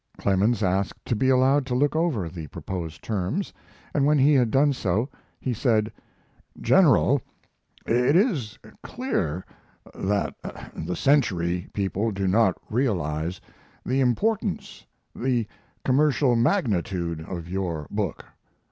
Clemens asked to be allowed to look over the proposed terms, and when he had done so he said: "General, it is clear that the Century people do not realize the importance the commercial magnitude of your book.